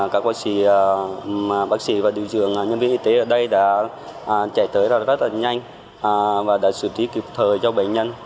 các bác sĩ và điều dưỡng nhân viên y tế ở đây đã chạy tới rất là nhanh và đã xử trí kịp thời cho bệnh nhân